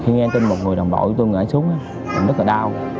khi nghe tin một người đồng đội của tôi ngã xuống á mình rất là đau